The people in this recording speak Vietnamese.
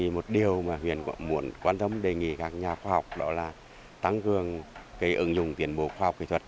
một điều mà huyện muốn quan tâm đề nghị các nhà khoa học đó là tăng cường ứng dụng tiến bộ khoa học kỹ thuật